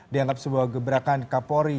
dianggap sebuah gebrakan kapolri